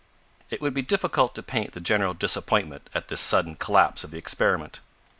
It would be difficult to paint the general disappointment at this sudden collapse of the experiment.